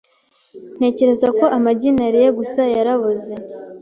Ntekereza ko amagi nariye gusa yaraboze .